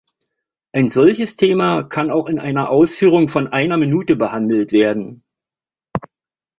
Ein solches Thema kann auch in einer Ausführung von einer Minute behandelt werden.